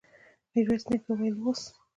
ميرويس نيکه وويل: اوس!